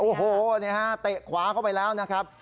โอ้โหนี่ฮะเตะขวาเข้าไปแล้วนะครับ